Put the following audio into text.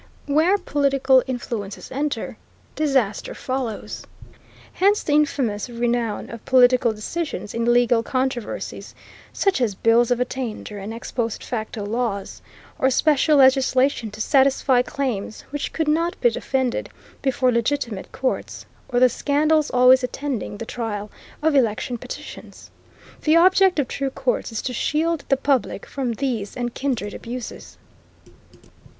Where political influences enter disaster follows. Hence the infamous renown of political decisions in legal controversies, such as bills of attainder and ex post facto laws, or special legislation to satisfy claims which could not be defended before legitimate courts, or the scandals always attending the trial of election petitions. The object of true courts is to shield the public from these and kindred abuses.